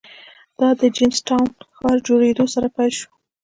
دا د جېمز ټاون ښار جوړېدو سره پیل شو.